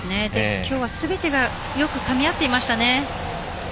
きょうはすべてがよくかみ合っていましたね。